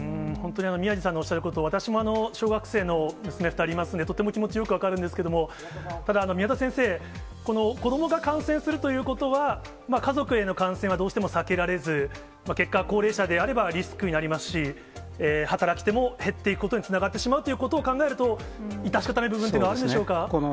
本当に宮治さんのおっしゃること、私も小学生の娘２人いますんで、とっても気持ち、よく分かるんですけど、ただ、宮田先生、この子どもが感染するということは、家族への感染はどうしても避けられず、結果、高齢者であればリスクになりますし、働き手も減っていくことにつながってしまうということを考えると、いたしかたない部分というのはあるんでしょうか。